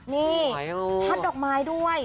นี่พัดดอกไม้ด้วย